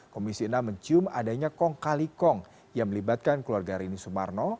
komisi enam mencium adanya kong kali kong yang melibatkan keluarga rini sumarno